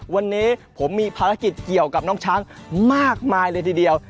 วันนี้ผมมีภารกิจเกี่ยวกับน้องช้างมากมายเลยทีเดียว